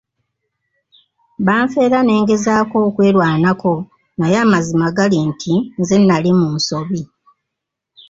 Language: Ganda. Banfera ne ngezaako okwerwanako naye amazima gali nti nze nnali mu nsobi.